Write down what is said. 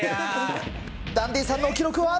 ダンディさんの記録は。